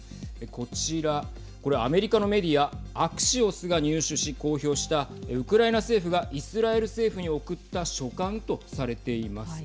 こちらアメリカのメディアアクシオスが入手し公表したウクライナ政府がイスラエル政府に送った書簡とされています。